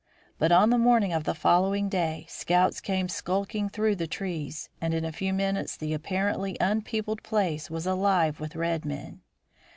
But on the morning of the following day, scouts came skulking through the trees, and in a few minutes the apparently unpeopled place was alive with red men.